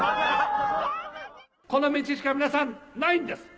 この道しか皆さん、ないんです。